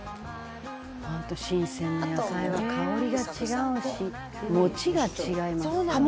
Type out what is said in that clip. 「ホント新鮮な野菜は香りが違うし持ちが違いますよね」